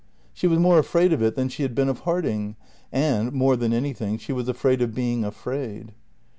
She was more afraid of it than she had been of Harding; and, more than anything, she was afraid of being afraid.